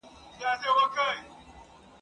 روغتیا ته پاملرنه د مور لویه دنده ده.